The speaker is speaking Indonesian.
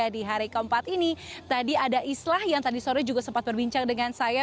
di hari keempat ini tadi ada islah yang tadi sore juga sempat berbincang dengan saya